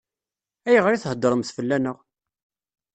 Ayɣer i theddṛemt fell-aneɣ?